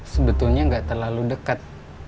sebetulnya gak terlalu deket